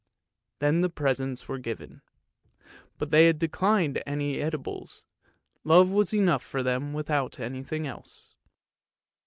" Then the presents were given, but they had declined any eatables : love was enough for them without anything else.